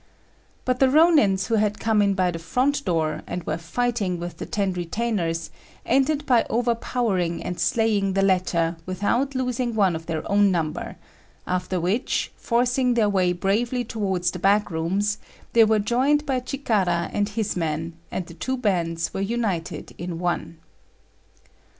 But the Rônins who had come in by the front door, and were fighting with the ten retainers, ended by overpowering and slaying the latter without losing one of their own number; after which, forcing their way bravely towards the back rooms, they were joined by Chikara and his men, and the two bands were united in one.